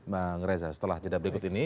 bang reza setelah jeda berikut ini